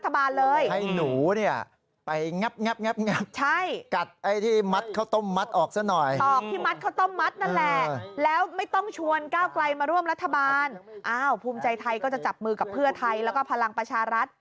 ภูมิใจไทยก็จะจับมือกับเพื่อไทยแล้วก็พลังประชารัฐ